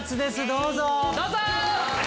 どうぞ！